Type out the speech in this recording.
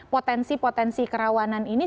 potensi potensi kerawanan ini